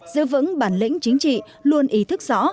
giữ vững bản lĩnh chính trị luôn ý thức rõ